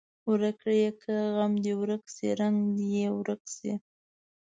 ورک یې کړه غم دې ورک شي رنګ دې یې ورک شي.